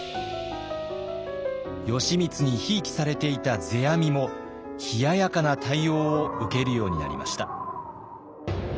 義満にひいきされていた世阿弥も冷ややかな対応を受けるようになりました。